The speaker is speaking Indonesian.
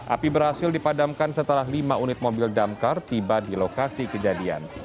api berhasil dipadamkan setelah lima unit mobil damkar tiba di lokasi kejadian